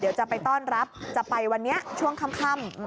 เดี๋ยวจะไปต้อนรับจะไปวันนี้ช่วงค่ำ